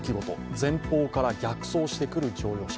前方から逆走してくる乗用車。